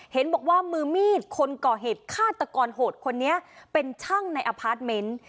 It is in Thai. เห็นบอกว่ามือมีดคนก่อเหตุฆาตกรโหดคนนี้เป็นช่างในอพาร์ทเมนต์